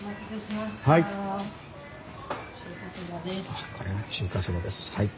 わっこれが中華そばです。